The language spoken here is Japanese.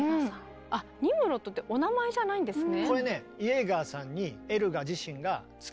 あ「ニムロッド」ってお名前じゃないんですね。